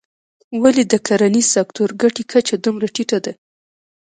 ولې د کرنیز سکتور ګټې کچه دومره ټیټه ده.